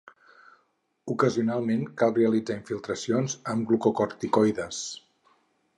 Ocasionalment cal realitzar infiltracions amb glucocorticoides.